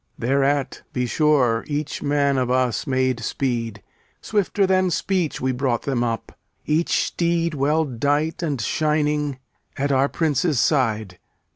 Thereat, be sure, each man of us made speed. Swifter than speech we brought them up, each steed Well dight and shining, at our Prince's side.